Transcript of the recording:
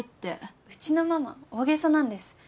うちのママ大げさなんです。